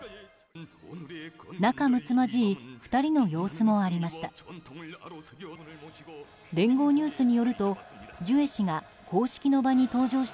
仲むつまじい２人の様子もありました。